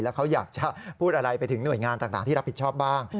เขาอยากจะพูดอะไรไปถึงหน่วยงานต่างที่รับผิดชอบบ้าง